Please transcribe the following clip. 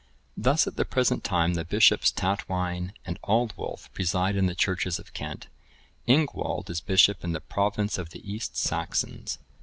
Thus at the present time,(1014) the bishops Tatwine and Aldwulf preside in the churches of Kent; Ingwald is bishop in the province of the East Saxons.